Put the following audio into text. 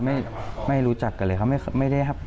ไม่ไม่รู้จักกันเลยครับไม่ได้ครับ